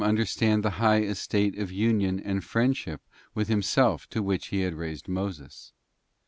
Bs BOOK understand the high estate of union and friendship with Him .—— self to which He had raised Moses.